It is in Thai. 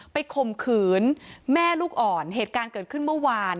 ข่มขืนแม่ลูกอ่อนเหตุการณ์เกิดขึ้นเมื่อวาน